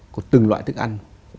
của từng loại thức ăn